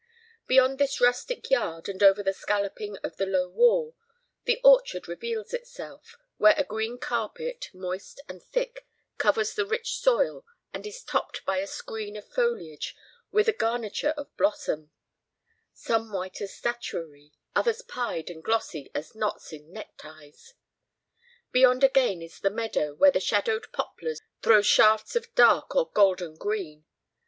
Beyond this rustic yard and over the scalloping of the low wall, the orchard reveals itself, where a green carpet, moist and thick, covers the rich soil and is topped by a screen of foliage with a garniture of blossom, some white as statuary, others pied and glossy as knots in neckties. Beyond again is the meadow, where the shadowed poplars throw shafts of dark or golden green.